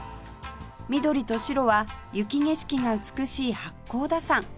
緑と白は雪景色が美しい八甲田山